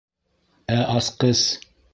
Ә асҡыс...